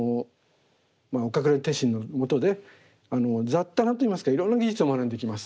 岡倉天心のもとで雑多なといいますかいろんな技術を学んでいきます。